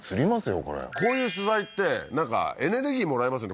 これこういう取材ってなんかエネルギーもらえますよね